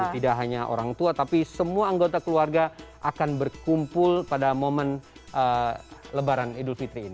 tidak hanya orang tua tapi semua anggota keluarga akan berkumpul pada momen lebaran idul fitri ini